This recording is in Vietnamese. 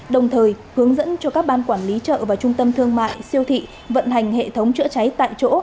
đồng thời hướng dẫn cho các ban quản lý chợ và trung tâm thương mại siêu thị vận hành hệ thống chữa cháy tại chỗ